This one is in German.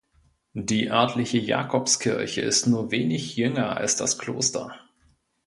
Die örtliche Jakobskirche ist nur wenig jünger als das Kloster.